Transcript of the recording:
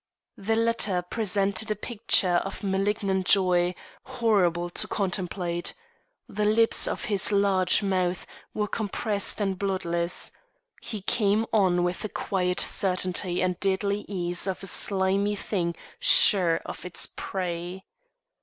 The latter presented a picture of malignant joy, horrible to contemplate. The lips of his large mouth were compressed and bloodless. He came on with the quiet certainty and deadly ease of a slimy thing sure of its prey.